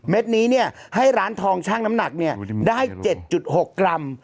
เม็ดนี้เนี่ยให้ร้านทองช่างน้ำหนักเนี่ยได้๗๖กรัม